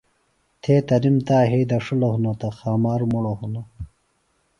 تھےۡ تنِم تا یھئیۡ دڇھِلوۡ ہِنوۡ تہ خامار مُڑوۡ ہِنوۡ